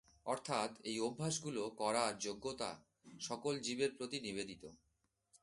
অর্থাৎ, এই অভ্যাসগুলো করার যোগ্যতা সকল জীবের প্রতি নিবেদিত।